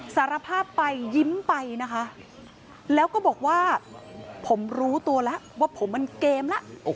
สารภาพไปยิ้มไปนะคะแล้วก็บอกว่าผมรู้ตัวแล้วว่าผมมันเกมแล้ว